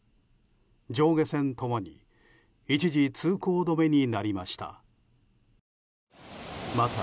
上下線共に一時通行止めになりました。